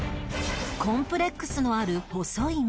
コンプレックスのある細い目